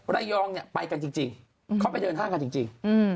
ไลยองไปกันจริงเขาไปเดินห้างกันจริง